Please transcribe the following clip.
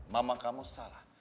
mama kamu salah